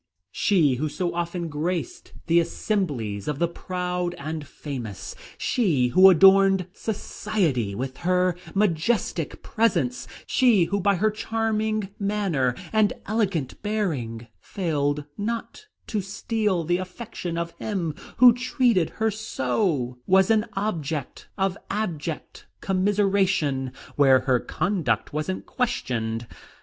She who so often graced the assemblies of the proud and famous; she who adorned society with her majestic presence; she who, by her charming manner and elegant bearing, failed not to steal the affection of him who treated her so, was an object of abject commiseration where her conduct wasn't questioned.